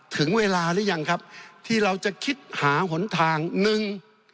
ถึงเวลาหรือยังครับที่เราจะคิดหาหนทางหนึ่ง